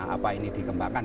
apa ini dikembangkan